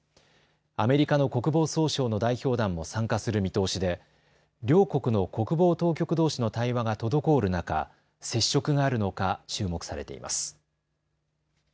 アメリカの国防総省の代表団も参加する見通しで両国の国防当局どうしの対話が滞る中、接触があるのか注目されています。